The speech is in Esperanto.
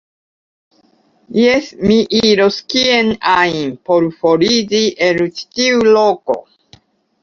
Jes, mi iros kien ajn, por foriĝi el ĉi tiu loko.